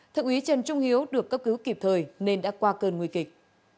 thượng úy trần trung hiếu được cấp cứu kịp thời nên đã qua cơn nguy kịch